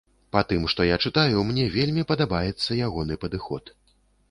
Па тым, што я чытаю, мне вельмі падабаецца ягоны падыход.